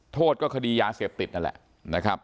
โทษก็คดียาเสพติดนั่นแหละนะครับ